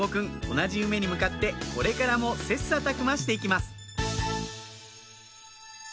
同じ夢に向かってこれからも切磋琢磨して行きます